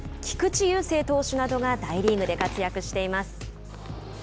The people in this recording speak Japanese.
菊池雄星投手などが大リーグで活躍しています。